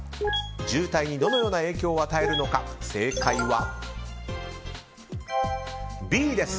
渋滞にどのような影響を与えるのか、正解はＢです。